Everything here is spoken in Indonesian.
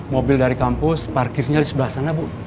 mobil dari kampus parkirnya di sebelah sana bu